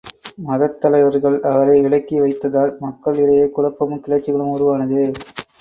மதத்தலைவர்கள் அவரை விலக்கி வைத்ததால் மக்கள் இடையே குழப்பமும் கிளர்ச்சிகளும் உருவானது.